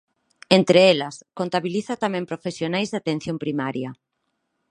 Entre elas, contabiliza tamén profesionais de Atención Primaria.